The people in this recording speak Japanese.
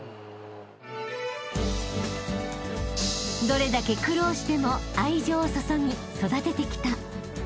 ［どれだけ苦労しても愛情を注ぎ育ててきた］